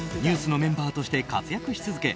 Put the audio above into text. ＮＥＷＳのメンバーとして活躍し続け